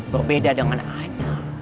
berbeda dengan ana